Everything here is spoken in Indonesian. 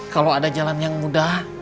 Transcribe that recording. kalau ada jalan yang mudah